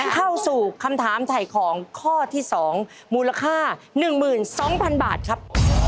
เข้าสู่คำถามถ่ายของข้อที่๒มูลค่า๑๒๐๐๐บาทครับ